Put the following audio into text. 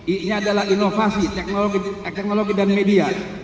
ini adalah inovasi teknologi dan media